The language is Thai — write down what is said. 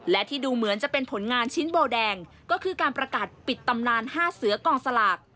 และที่ดูเหมือนจะเป็นผลงานชิ้นโบแดงก็คือการประกาศปิดตำนาน๕เสือกองสลาก